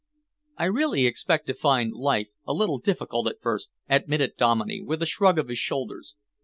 "I really expect to find life a little difficult at first," admitted Dominey, with a shrug of his shoulders.